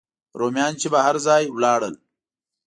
رومیان چې به هر ځای لاړل.